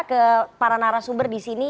ke para narasumber disini